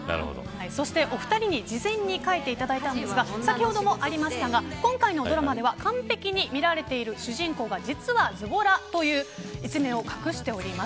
そしてお２人に事前に書いていただいたんですが先ほどもありましたが今回のドラマでは完璧に見られている主人公が実は、ズボラという一面を隠しております。